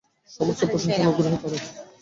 সমস্ত প্রশংসা ও অনুগ্রহ তাঁরই।